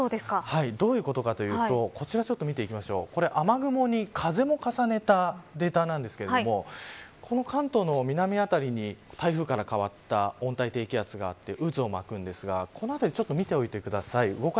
どういうことかというと雨雲に風を重ねたデータなんですが関東の南辺りに台風から変わった温帯低気圧があって渦を巻くんですが、この辺りを見ておいてください。